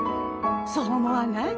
そう思わない？